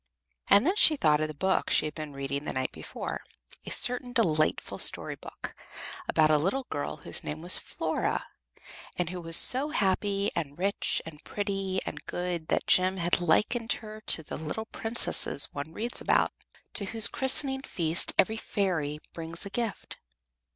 And then she thought of the book she had been reading the night before a certain delightful story book, about a little girl whose name was Flora, and who was so happy and rich and pretty and good that Jem had likened her to the little princesses one reads about, to whose christening feast every fairy brings a gift.